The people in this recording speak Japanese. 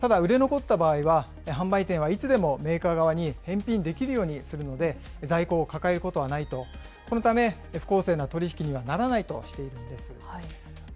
ただ、売れ残った場合は、販売店はいつでもメーカー側に返品できるようにするので、在庫を抱えることはないと、このため不公正な取り引きにはならないとしているんです。